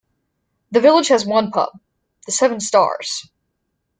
The village has one pub - The Seven Stars.